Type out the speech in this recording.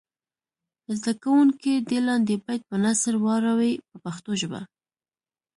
زده کوونکي دې لاندې بیت په نثر واړوي په پښتو ژبه.